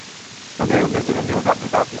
সন্দেহের উর্দ্ধে ছিলেন যেহেতু আপনি তার আত্মীয়!